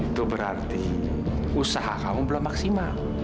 itu berarti usaha kamu belum maksimal